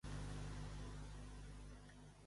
Bond era director de Ford Motor Company.